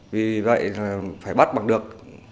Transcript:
vì vậy phải bắt bằng được